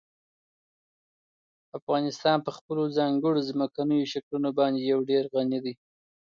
افغانستان په خپلو ځانګړو ځمکنیو شکلونو باندې یو ډېر غني دی.